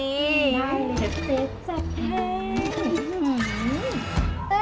ไม่ได้เจ๊จับให้